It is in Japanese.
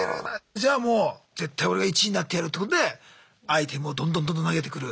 じゃあもう絶対俺が１位になってやるってことでアイテムをどんどんどんどん投げてくる。